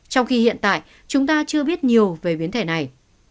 trong khi hiện tại chúng ta chưa biết nhiều về biến thể này